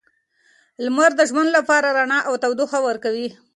لمر د ژوند لپاره رڼا او تودوخه ورکوي.